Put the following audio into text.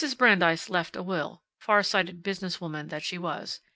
Brandeis had left a will, far sighted business woman that she was.